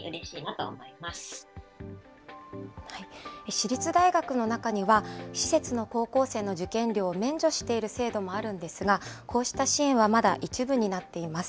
私立大学の中には、施設の高校生の受験料を免除している制度もあるんですが、こうした支援はまだ一部になっています。